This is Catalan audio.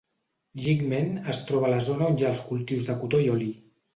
Jingmen es troba a la zona on hi ha els cultius de cotó i oli.